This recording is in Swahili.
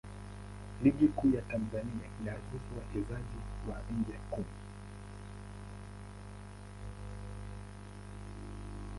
Ligi Kuu ya Tanzania inaruhusu wachezaji wa nje kumi.